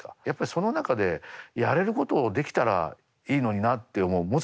やっぱりその中でやれることをできたらいいのになって思う。